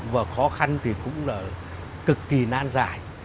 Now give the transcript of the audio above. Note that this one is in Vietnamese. và khó khăn thì cũng là cực kỳ nan giải